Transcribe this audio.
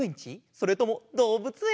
それともどうぶつえん？